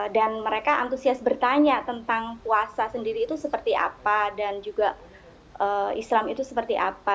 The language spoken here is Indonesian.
dan mereka antusias bertanya tentang puasa sendiri itu seperti apa dan juga islam itu seperti apa